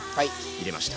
入れました！